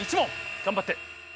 頑張って。